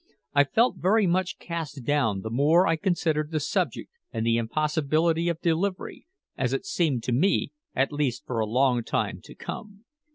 I felt very much cast down the more I considered the subject and the impossibility of delivery, as it seemed to me at least, for a long time to come.